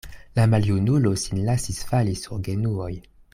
La maljunulo sin lasis fali sur genuoj.